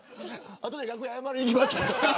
後で楽屋謝りに行きます。